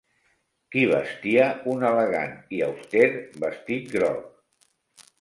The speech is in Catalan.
Qui vestia un elegant i auster vestit groc?